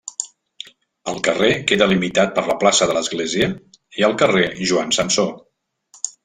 El carrer queda limitat per la plaça de l'església i el carrer Joan Samsó.